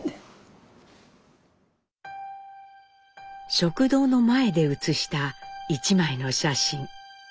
食堂の前で写した一枚の写真。